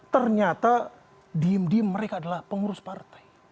ternyata diem diem mereka adalah pengurus partai